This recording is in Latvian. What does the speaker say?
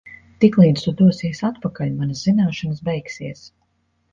Tiklīdz tu dosies atpakaļ, manas zināšanas beigsies.